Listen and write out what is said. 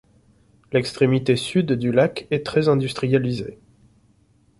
L’extrémité sud du lac est très industrialisée.